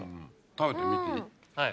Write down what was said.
食べてみていい？